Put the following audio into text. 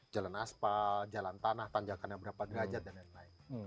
jalan aspal jalan tanah tanjakannya berapa derajat dan lain lain